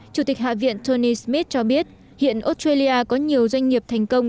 chủ tịch hạ viện tony smith cho biết hiện australia có nhiều doanh nghiệp thành công